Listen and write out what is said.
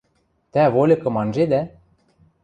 Тӓ вольыкым анжедӓ?